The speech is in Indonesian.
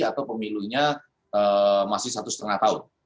atau pemilunya masih satu setengah tahun